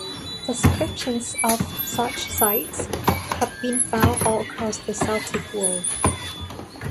Descriptions of such sites have been found all across the Celtic world.